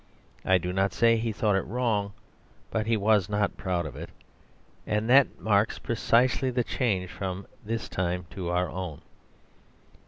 I do not say he thought it wrong; but he was not proud of it. And that marks precisely the change from his time to our own.